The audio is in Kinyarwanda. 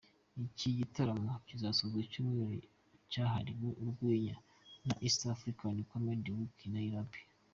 Iki gitaramo kizasoza icyumweru cyahariwe urwenya cya ‘East African Comedy Week’ i Nairobi.